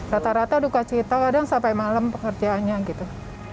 rata rata duka cita kadang sampai malam pekerjaannya gitu